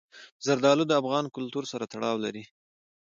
زردالو د افغان کلتور سره تړاو لري.